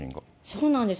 そうなんです。